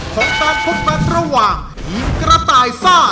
ของการพบกันระหว่างทีมกระต่ายซ่า